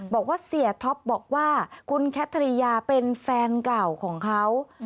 บอกว่าเสียท็อปบอกว่าคุณแคทริยาเป็นแฟนเก่าของเขา